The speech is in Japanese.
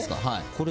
これ？